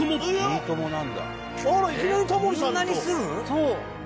そう。